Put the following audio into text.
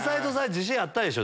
自信あったでしょ？